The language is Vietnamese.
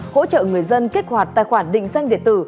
hỗ trợ người dân kết hoạt tài khoản định danh địa tử